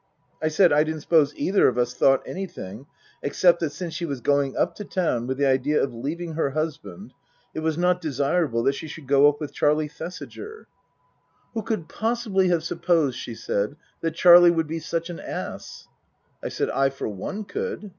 I said I didn't suppose either of us thought anything, except that since she was going up to town with the idea of leaving her husband, it was not desirable that she should go up with Charlie Thesiger. Book II : Her Book 243 "Who could possibly have supposed," she said, "that Charlie would be such an ass ?" I said I for one could.